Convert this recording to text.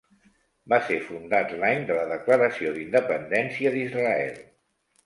Va ser fundat l'any de la declaració d'independència d'Israel.